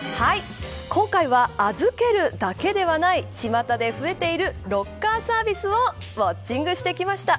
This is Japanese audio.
今回は預けるだけではないちまたで増えているロッカーサービスをウオッチングしてきました。